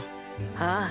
ああ。